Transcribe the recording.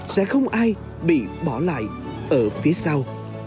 sẽ không ai bị bỏ lại ở phía sau